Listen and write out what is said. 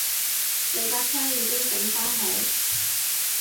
你架車已經整番好